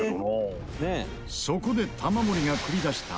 そこで玉森が繰り出した